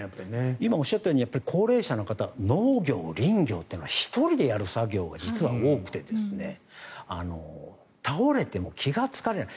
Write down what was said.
今、おっしゃったように高齢者の方農業、林業っていうのは１人でやる作業が実は多くて倒れても気がつかれない。